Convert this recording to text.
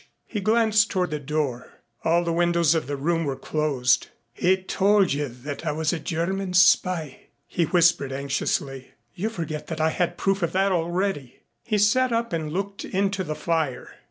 "Sh !" He glanced toward the door. All the windows of the room were closed. "He told you that I was a German spy?" he whispered anxiously. "You forget that I had proof of that already." He sat up and looked into the fire.